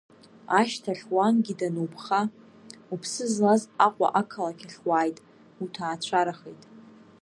Ашьҭахь уангьы дануԥха, уԥсы злаз Аҟәа ақалақь ахь уааит, уҭаацәарахеит.